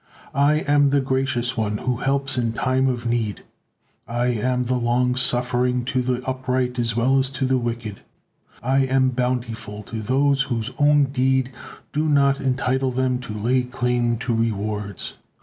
I am the Gracious One who helps in time of need. I am the Long Suffering to the upright as well as to the wicked. I am Bountiful to those whose own deed do not entitle them to lay claim to rewards.